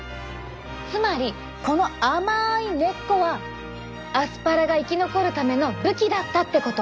つまりこの甘い根っこはアスパラが生き残るための武器だったってこと。